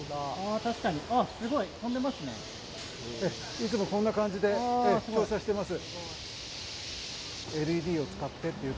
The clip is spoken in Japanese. いつもこんな感じで照射してます。